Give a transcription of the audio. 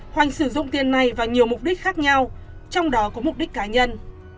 hoành sử dụng tiền này vào nhiều mục đích khác nhau trong đó có mục đích cá nhân